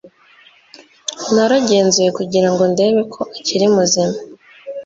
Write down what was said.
naragenzuye kugira ngo ndebe ko akiri muzima